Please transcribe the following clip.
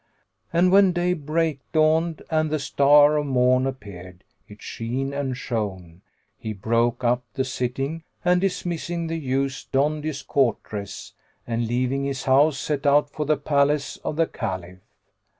And when day break dawned and the star of morn appeared in sheen and shone, he broke up the sitting and, dismissing the youths, donned his court dress and leaving his house set out for the palace of the Caliph.